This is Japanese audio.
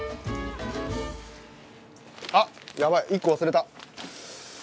あっやばい１個忘れた。